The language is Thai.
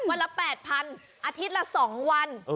วันละ๘พันอาทิตย์ละ๒วัน๘๑๖๑๖๔